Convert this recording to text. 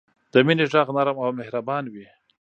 د مینې ږغ نرم او مهربان وي.